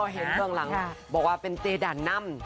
เบื้องหลังบอกว่าเป็นเจด่านนำ